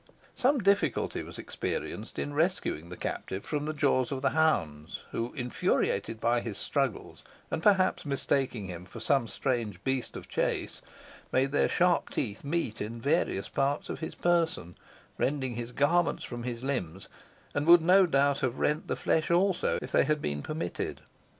Some difficulty was experienced in rescuing the captive from the jaws of the hounds, who, infuriated by his struggles, and perhaps mistaking him for some strange beast of chase, made their sharp teeth meet in various parts of his person, rending his garments from his limbs, and would no doubt have rent the flesh also, if they had been permitted.